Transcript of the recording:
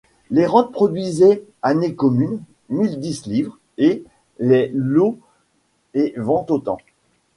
Les rentes produisaient, année commune, mille dix livres, et les lods et ventes autant.